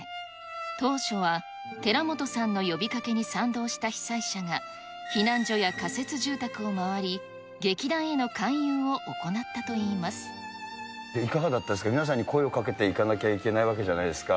当初は寺本さんの呼びかけに賛同した被災者が、避難所や仮設住宅を回り、いかがだったですか、皆さんに声をかけていかなきゃいけないわけじゃないですか。